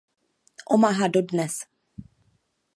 Omaha dodnes.